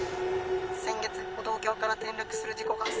先月歩道橋から転落する事故が発生。